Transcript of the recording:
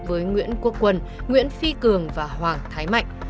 với nguyễn quốc quân nguyễn phi cường và hoàng thái mạnh